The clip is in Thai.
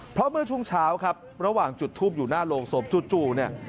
เพราะเมื่อช่วงเช้าครับระหว่างจุดทูปอยู่หน้าโรงศพจู่เนี่ย